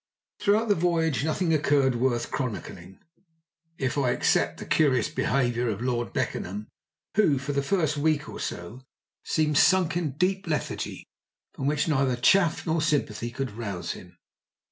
Throughout the voyage nothing occurred worth chronicling, if I except the curious behaviour of Lord Beckenham, who, for the first week or so, seemed sunk in a deep lethargy, from which neither chaff nor sympathy could rouse him.